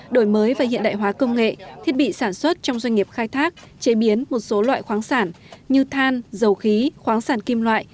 đổi mới và hiện đại hóa công nghệ thiết bị sản xuất trong doanh nghiệp khai thác chế biến một số loại khoáng sản như than dầu khí khoáng sản kim loại